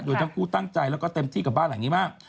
โดยทั้งคู่ตั้งใจแล้วก็เต็มที่กับบ้านหลังนี้มาก